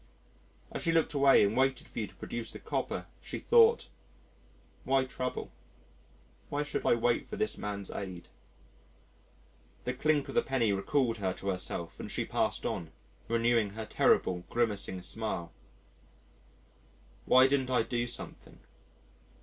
As she looked away and waited for you to produce the copper, she thought, "Why trouble? Why should I wait for this man's aid?" The clink of the penny recalled her to herself, and she passed on, renewing her terrible grimacing smile. Why didn't I do something?